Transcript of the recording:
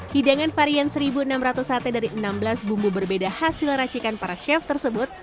hidangan varian seribu enam ratus sate dari enam belas bumbu berbeda hasil racikan para chef tersebut